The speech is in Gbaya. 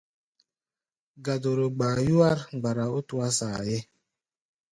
Gaduru gbaa yúwár mgbara ó tuá saayé.